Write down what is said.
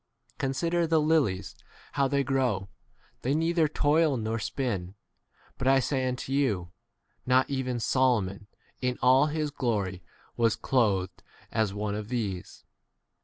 Consider the lilies how they grow ; they neither toil nor spin ; but I say unto you, Not even Solomon in all his glory 2S was clothed as one of these.